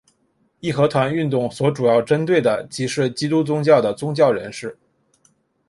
义和团运动所主要针对的即是基督宗教的宗教人士。